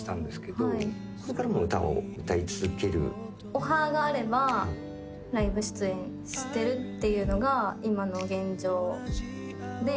オファーがあればライブ出演してるっていうのが今の現状で。